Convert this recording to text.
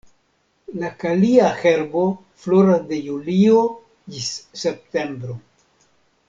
La kalia herbo floras de julio ĝis septembro.